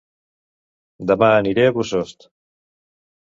Dema aniré a Bossòst